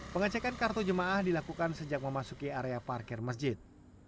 pengecekan kartu jemaah dilakukan sejak memasuki area parkir masjid